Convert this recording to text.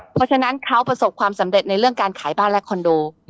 เพราะฉะนั้นเขาประสบความสำเร็จในเรื่องการขายบ้านและคอนโด